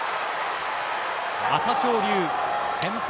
朝青龍先輩